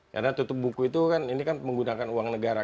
karena tutup buku itu kan ini kan menggunakan uang negara